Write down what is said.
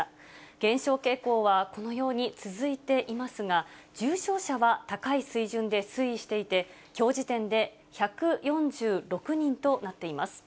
減少傾向はこのように続いていますが、重症者は高い水準で推移していて、きょう時点で１４６人となっています。